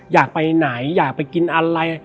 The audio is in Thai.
อยากไปไหนอยากไปกินอะไร